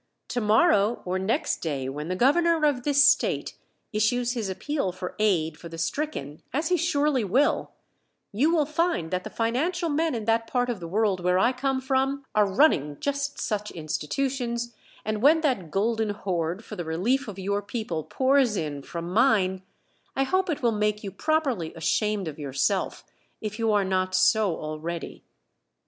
"To morrow or next day when the Governor of this State issues his appeal for aid for the stricken, as he surely will, you will find that the financial men in that part of the world where I come from are running just such institutions, and when that golden horde for the relief of your people pours in from mine I hope it will make you properly ashamed of yourself, if you are not so already."